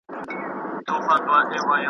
د ګودرونو د چینار سیوری مي زړه تخنوي .